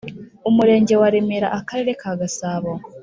Umurenge wa Remera Akarere ka Gasabo